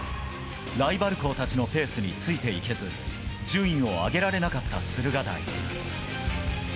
ライバル校たちのペースについていけず順位を上げられなかった駿河台。